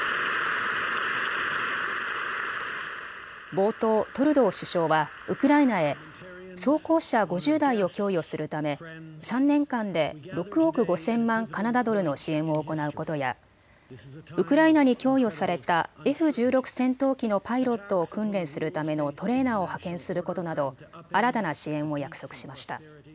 冒頭トルドー首相はウクライナへ装甲車５０台を供与するため３年間で６億５０００万カナダドルの支援を行うことやウクライナに供与されたＦ１６戦闘機のパイロットを訓練するためのトレーナーを派遣することなど新たな支援を約束しました。